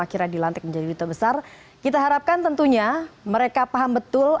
akhirnya dilantik menjadi duta besar kita harapkan tentunya mereka paham betul